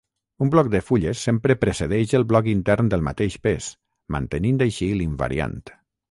Un bloc de fulles sempre precedeix el bloc intern del mateix pes, mantenint així l'invariant.